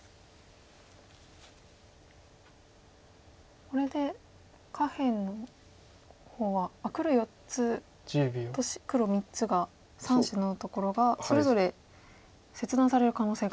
これで下辺の方は黒４つと黒３つが３子のところがそれぞれ切断される可能性が。